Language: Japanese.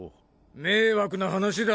迷惑な話だ。